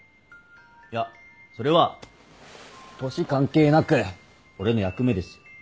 いやそれは年関係なく俺の役目です。